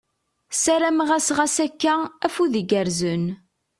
Ssarameɣ-as ɣas akka, afud igerrzen !